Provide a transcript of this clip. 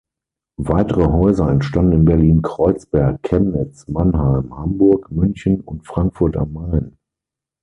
Weitere Häuser entstanden in Berlin-Kreuzberg, Chemnitz, Mannheim, Hamburg, München und Frankfurt am Main.